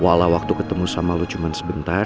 walau waktu ketemu sama lu cuman sebentar